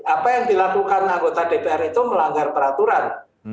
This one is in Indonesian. apa yang dilakukan anggota dpr itu melanggar peraturan